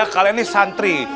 kalian ini santri